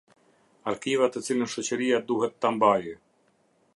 Arkiva të cilën Shoqëria Duhet ta Mbajë.